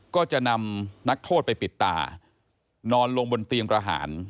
ก็จะนำนักโทษไปปิดตานอนลงบนเตียงประหาร